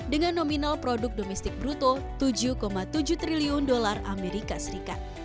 dengan nominal produk domestik bruto tujuh tujuh triliun dolar amerika serikat